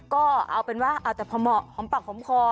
ก็เอาเป็นว่าเอาแต่พอเหมาะหอมปากหอมคอ